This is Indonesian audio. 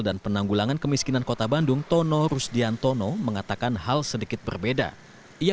dan penanggulangan kemiskinan kota bandung tono rusdian tono mengatakan hal sedikit berbeda ia